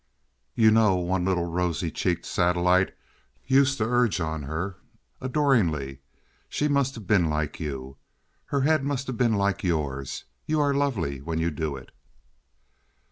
"You know," one little rosy cheeked satellite used to urge on her, adoringly, "she must have been like you. Her head must have been like yours. You are lovely when you do it."